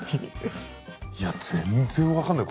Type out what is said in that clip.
いや全然分かんない。